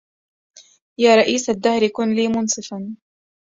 يا رئيس الدهر كن لي منصفا